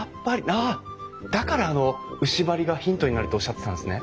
ああだからあの牛梁がヒントになるとおっしゃってたんですね。